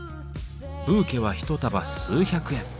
ブーケは一束数百円。